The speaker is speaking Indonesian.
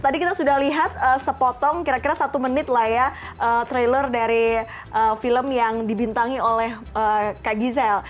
tadi kita sudah lihat sepotong kira kira satu menit lah ya trailer dari film yang dibintangi oleh kak gisel